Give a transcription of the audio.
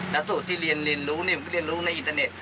นักสูตรที่เรียนรู้เรียนรู้ในอินเทอร์เน็ต